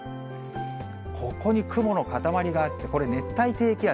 ここに雲の固まりがあって、これ、熱帯低気圧。